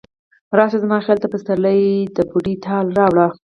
راشه زما خیال ته، پسرلی د بوډۍ ټال راوړه